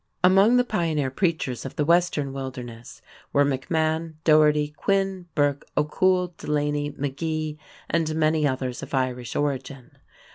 Among the pioneer preachers of the western wilderness were McMahon, Dougherty, Quinn, Burke, O'Cool, Delaney, McGee, and many others of Irish origin.